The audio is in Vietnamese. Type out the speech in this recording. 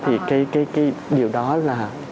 thì cái điều đó là